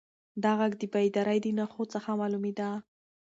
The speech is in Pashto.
دا غږ د بیدارۍ د نښو څخه معلومېده.